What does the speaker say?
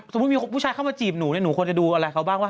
สมมุติมีผู้ชายเข้ามาจีบหนูเนี่ยหนูควรจะดูอะไรเขาบ้างว่า